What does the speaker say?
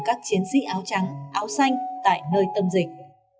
các chiến sĩ áo trắng áo xanh tại nơi tâm dịch